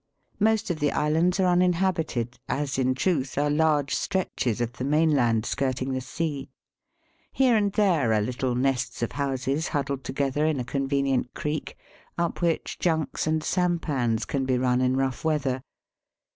Most of the islands are inhabited, as in truth are large stretches of the mainland skirting the sea. Here and there are little nests of houses huddled together in a con venient creek, up which junks and sampans can be run in rough weather.